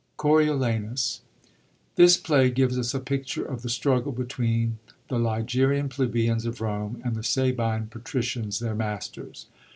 COBIOLAXUS. — This play gives us a picture of the struggle between the ligurian plebeians of Rome and the Sabine patricians, their masters.